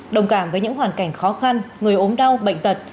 đồng cảm với những hoàn cảnh khó khăn người ốm đau bệnh tật